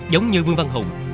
giống như vương văn hùng